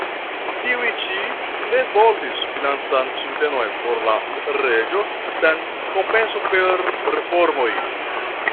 Tiuj ĉi ne volis financan subtenon por la reĝo sen kompenso per reformoj.